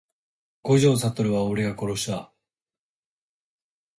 五条悟は俺が殺した…